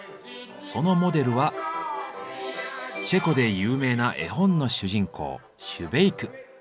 そのモデルはチェコで有名な絵本の主人公シュベイク。